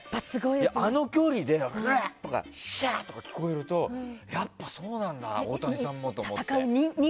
あの距離で、おら！とかしゃー！とか聞こえるとやっぱりそうなんだ大谷さんもと思って。